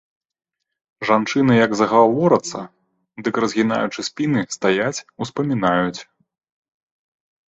Жанчыны як загаворацца, дык, разгінаючы спіны, стаяць, успамінаюць.